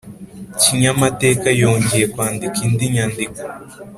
kinyamateka yongeye kwandika indi nyandiko